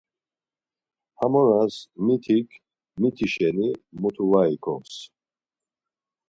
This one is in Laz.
Hamoras mitik miti şeni mutu var ikoms.